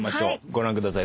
ご覧ください。